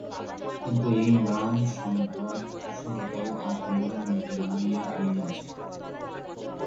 কিন্তু এই ম্লান সন্ধ্যার ধূরসতাও আজ বিনয়ের মনকে রাঙাইয়া তুলিয়াছে।